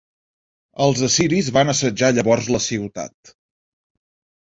Els assiris van assetjar llavors la ciutat.